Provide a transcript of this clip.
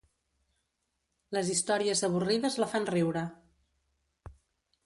Les històries avorrides la fan riure.